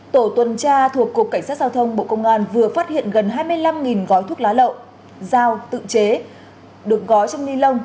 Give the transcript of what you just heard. tổ tuần tra thuộc cục cảnh sát giao thông bộ công an vừa phát hiện gần hai mươi năm gói thuốc lá lậu dao tự chế được gói trong ni lông